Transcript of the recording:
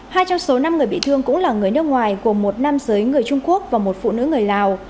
hai trong số năm người bị thương cũng là người nước ngoài gồm một nam giới người trung quốc và một phụ nữ người lào